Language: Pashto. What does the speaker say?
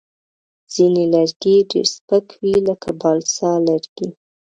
ځینې لرګي ډېر سپک وي، لکه بالسا لرګی.